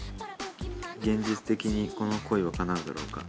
「現実的にこの恋は叶うだろうか？」